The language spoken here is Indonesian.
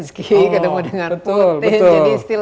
mencariception dan trauma untuk profesi inovatif